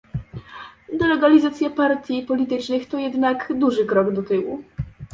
Delegalizacja partii politycznych to jednak duży krok do tyłu